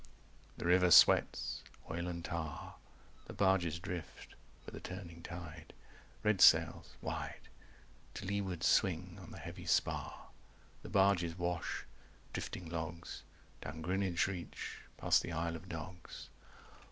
The river sweats Oil and tar The barges drift With the turning tide Red sails 270 Wide To leeward, swing on the heavy spar. The barges wash Drifting logs Down Greenwich reach Past the Isle of Dogs.